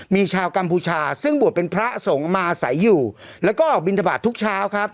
มีชาวกัมพูชาซึ่งบวชเป็นพระสงฆ์มาอาศัยอยู่แล้วก็ออกบินทบาททุกเช้าครับ